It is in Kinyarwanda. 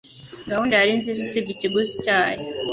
Gahunda yari nziza usibye ikiguzi cyayo